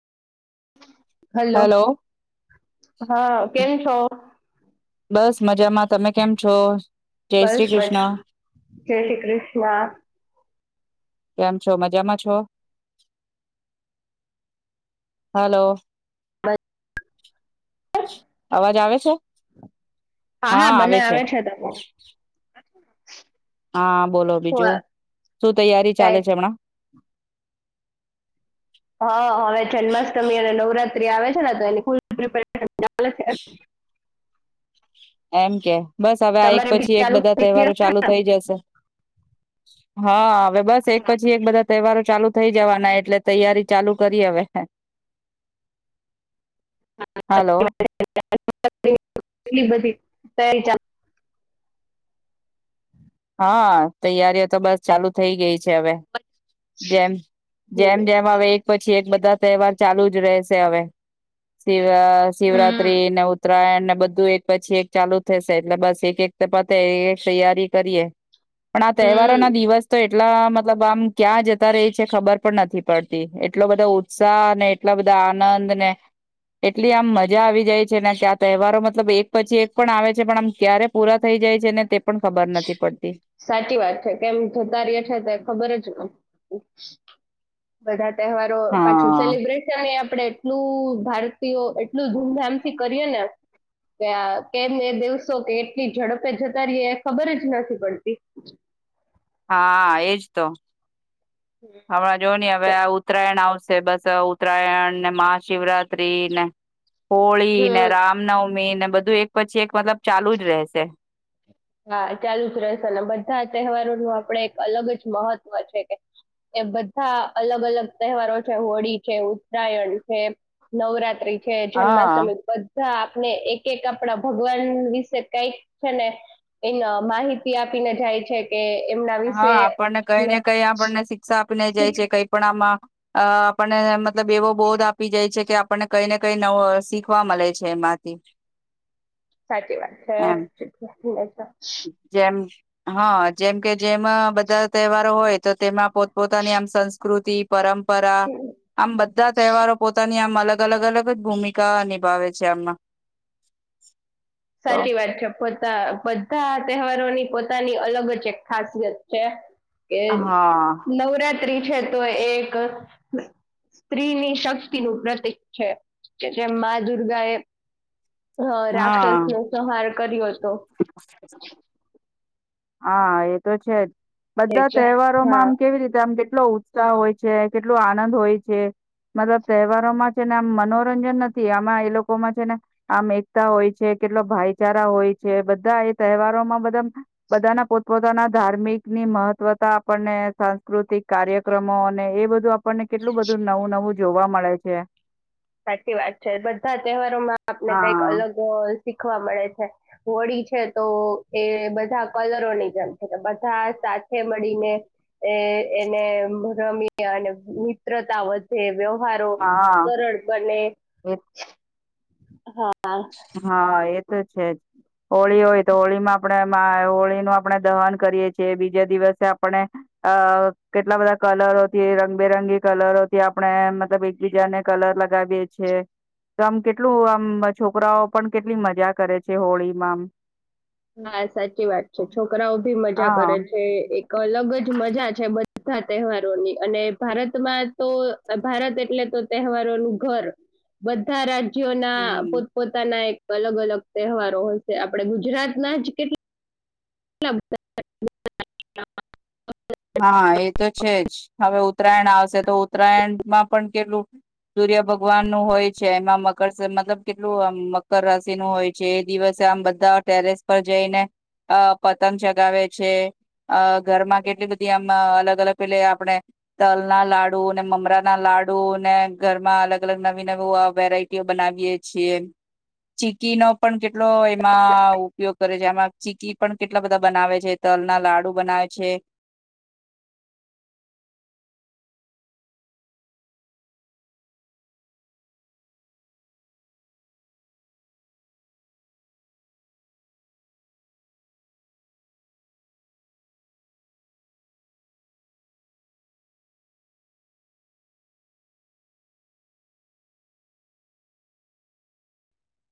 [inaudible] Hello hello હા કેમ છો બસ મજામાં તમે કેમ છો જય બસ શ્રી મજા કૃષ્ણ જય શ્રી કૃષ્ણ. કેમ છો મજામાં છો હલો અવાજ આવે છે હા હા બને આવે છે ત હા બોલો બીજું શું તૈયારી કઈ ચાલે છે હમણાં હા હવે જન્માષ્ટમી અને નવરાત્ર, ત્રી આવે છેને એની ફુલ પીરેપારેશન ચાલે છે એમ કે બસ હવે આ એક તમારે બી પછી એક ચાલુ બધા થઈ ગઈ તહેવારો હશે ચાલુ ને થઇ જશે હા હવે બસ એક પછી એક બધા તહેવારો ચાલુ થઈ જવાના એટલે તૈયારી ચાલુ કરી હવે મેં [unintelligible] બઘી [unintelligible] હા તૈયારીઓ તો બસ ચાલુ થઈ ગઈ છે હવે જેમ જેમ હમ જેમ હવે એક પછી એક બધા તહેવાર ચાલુ જ રહેશે હવે હમ શિવરાત્રીને ઉત્તરાયણ ને બધું એક પછી એક ચાલુ થશે એટલે બસ એક એક પતે એ તૈયારી કરીએ પણ આ તહેવારો હમ ના દિવસ તો એ એટલા મતલબ આમ ક્યાં જતા રહી છે ખબર પણ નથી પડતી એટલો બધો ઉત્સાહ ને એટલા બધા આનંદ ને એટલી આમ મજા આવી જાય છે ને કે આ તહેવારો મતલબ એક પછી એક પણ આવે છે પણ આમ ક્યારે પૂરા થઈ જાય છે ને તે પણ ખ સાચી વાત છે કેમ જતા રય છે તો ખબર જ ન બધા તહેવારો પાછું હા સેલિબ્રેશન કર્યે અમે આપડે એટલું ભારતીયો એટલું ધૂમધામથી કરીએ ને કે આ કેમ એ દિવસો કે એટલી ઝડપે જતા રહીએ ખબર જ નથી પડતી હા એજ તો હમણાં જો ની હવે આ ઉત્તરાયણ આવશે બસ ત ઉત્તરાયણને, મહાશિવરાત્રીને હોળીને, હમ રામનવ મીને બધું એક પછી એક મતલબ ચાલુ જ રહેશે. હા, ચાલુ જ રહેશે અને બધા તહેવારોનું આપડે એક અલગ જ મહત્વ છે કે એ બધા અલગ-અલગ તહેવારો છે, હોળી છે, ઉત્તરાયણ છે, નવરાત્રી કે હા જન્માષ્ટમી ધા આપણે એક-એક આપડા ભગવાન વિશે કઈક છે ને એ માહિતી આપીને જાય છે. કે એમના હન, વિશે આપડને કઈ આપને ને કઈ આપણને શિક્ષા આપીને જાય શીખ છે કઈ પણ આમાં અ આપડને મતલબ એવો બોધ આપી જાય છે કે આપડને કઈ ને કઈ નવ શીખવા મલે છે એમાંથી. સાચી વાત છે. એમ હન જેમ કે જેમાં બધા તહેવારો હોય તો તેમાં પોત પોતાની આમ સંસ્કૃતિ તી પરમ પરા. આમ બધા તહેવારો પોતાની આમ અલગ અલગ-અલગ જ ભૂમિકા નિભાવે છે એમાં. સાચી વાત છે. પોતા બધા તહેવારોની પોતાની અલગ જ એક ખાસિયત છે. એ હા નવરાત ત્રી છે તો એક સ્ત્રીની શક્તિનું પ્રતિક છે જેમ મા દુર્ગા એ હન રાક્ષસ સંહાર કરીયો [inaudible] હન એ તો છે જ. એ બધા છે તહેવારોમાં હા આમ કેવી રીતે આમ કે કેટલો ઉત્સાહ હોય છે. કેટલો આનંદ હોય છે. મતલબ તહેવારોમાં છે ને આમ મનોરંજન નથી આમાં એ લોકોમાં છે ને આમ એકતા હોય છે. કેટલો ભાઈચારા હોય છે. બધા એ તહેવારોમાં બધા બધાના પોતપોતાના ધાર્મિકની મહત્વતા આપડને સાંસ્કૃતિક કાર્યક્રમો અને એ બધું આપડને કેટલું બધું નવું-નવું જોવા મળે છે. સાચી વાત છે. બધા તહેવારોમાં આપને કઈક હા અલગ શીખવા મળે છે. હોળી છે તો એ બધા કલરોની જેમ છે. બધા સાથે મળીને એ એને રમીએ અને મિત્રતા વધે વ્ય હારો હા કરડ અને એ હા. હા એ. [unintelligible] છે, જ હોળી હોય તો હોળી માં આપણે [unintelligible] આપણે દહન કરીએ છીએ બીજા દિવસે આપણે અ કેટલા બધા કલરોથી રંગબેરંગી કલરોથી આપણે મતલબ એકબીજાને કલર લગાવીએ છેએ તો આમ કેટલું આમ છોકરાઓ પણ કેટલી મજા કરે છે, હોળીમાં. હા સાચી વાત છે, છોકરાઓ ભી મજા આમ હા કરે છે, એક અલગ જ મજા છે, બ બધા તહેવારોની અને ભારતમાં તો ભારત એટલે તો તહેવારોનું ઘર બધા રાજ્ય. હમ [inaudible] પોતાના એક. અલગ અલગ તહેવારો હોય છે, આપડે ગુજરાત. [inaudible] [inaudible] હા એ તો છે, જ હવે ઉત્તરાયણ આવશે તો ઉત્તરાયણમાં પણ કેટલું સૂર્ય ભગવાન નું હોય છે, એમાં મકર મતલબ કેટલું આમ મકર રાશિ નું હોય છે, એ દિવસે આમ બધા ટેરેસ પર જઈને પતંગ ચગાવે છે, અ ઘરમાં કેટલી બધી. [unintelligible] અલગ અલગ પેલે આપણે તલ ના લાડુ ને મમરા ના લાડુ ને ઘરમાં અલગ અલગ નવી નવીું વેરાયટીઓ બનાવીયએ છીએ ચીકી નો પણ કેટલો એમાં ઉપયોગ કરે છે, આમાં ચીકી પણ કેટલા બધા બનાવે છે, તલ ના લાડુ બનાવે છે.